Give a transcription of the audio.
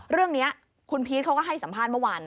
เรื่องนี้คุณพีชเขาก็ให้สัมภาษ